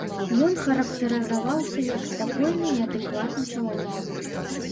Ён характарызаваўся як спакойны і адэкватны чалавек.